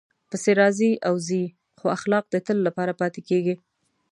پېسې راځي او ځي، خو اخلاق د تل لپاره پاتې کېږي.